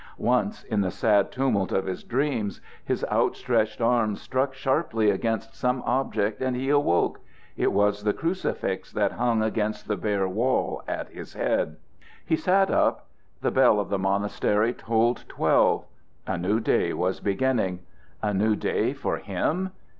Once, in the sad tumult of his dreams, his out stretched arms struck sharply against some object and he awoke; it was the crucifix that hung against the bare wall at his head. He sat up. The bell of the monastery tolled twelve. A new day was beginning. A new day for him?